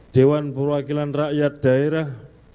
dewan perwakilan rakyat daerah